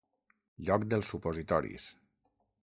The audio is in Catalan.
Lloc dels supositoris.